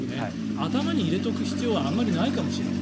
頭に入れておく必要はあまりないかもしれない。